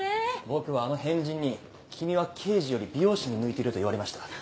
僕はあの変人に「君は刑事より美容師に向いてる」と言われました。